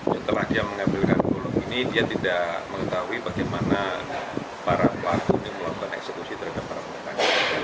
setelah dia mengambilkan bulog ini dia tidak mengetahui bagaimana para pelaku ini melakukan eksekusi terhadap perempuan